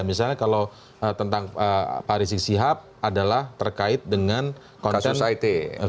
misalnya kalau tentang pak rizik sihab adalah terkait dengan konten